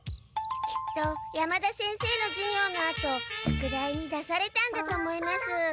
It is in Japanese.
きっと山田先生の授業のあと宿題に出されたんだと思います。